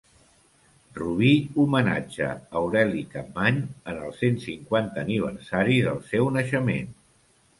Rubí homenatja Aureli Capmany en el cent cinquanta aniversari del seu naixement.